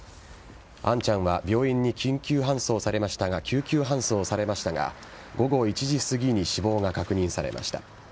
杏ちゃんは病院に救急搬送されましたが午後１時すぎに死亡が確認されました。